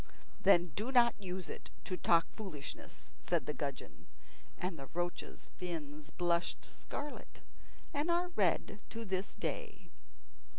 "Then do not use it to talk foolishness," said the gudgeon; and the roach's fins blushed scarlet, and are red to this day.